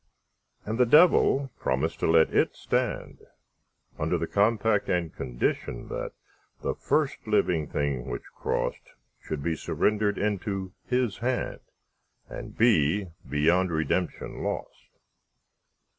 And the Devil promised to let it stand, Under compact and conditionThat the first living thing which crossedShould be surrendered into his hand, And be beyond redemption lost.